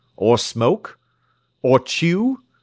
Or smoke? Or chew?